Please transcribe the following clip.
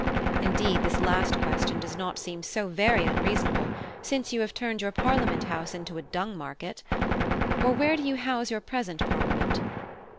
Indeed, this last question does not seem so very unreasonable, since you have turned your Parliament House into a dung market. Or where do you house your present Parliament?"